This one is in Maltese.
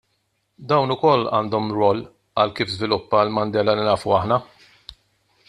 Dawn ukoll għandhom rwol għal kif żviluppa l-Mandela li nafu aħna.